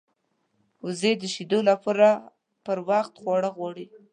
وزې د شیدو لپاره پر وخت خواړه غواړي